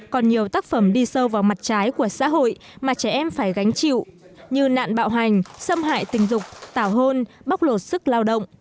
còn nhiều tác phẩm đi sâu vào mặt trái của xã hội mà trẻ em phải gánh chịu như nạn bạo hành xâm hại tình dục tảo hôn bóc lột sức lao động